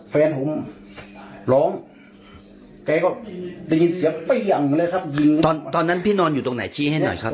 แฟนผมร้องแกก็ได้ยินเสียงเปรี้ยงเลยครับยิงตอนนั้นพี่นอนอยู่ตรงไหนชี้ให้หน่อยครับ